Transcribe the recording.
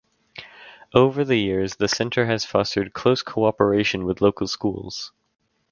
Over the years the center has fostered close cooperation with local schools.